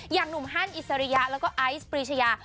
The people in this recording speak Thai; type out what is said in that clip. อย่างหนุ่มฮันอิสริยะแล้วก็ไอซ์ปรีชยา